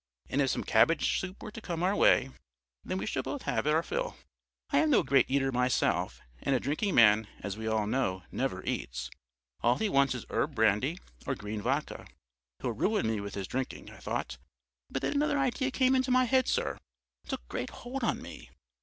And if some cabbage soup were to come our way, then we should both have had our fill. I am no great eater myself, and a drinking man, as we all know, never eats; all he wants is herb brandy or green vodka. He'll ruin me with his drinking, I thought, but then another idea came into my head, sir, and took great hold on me.